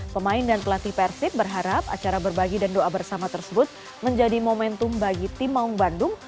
pemain dan pelatih persib berharap acara berbagi dan doa bersama tersebut menjadi momentum bagi tim maung bandung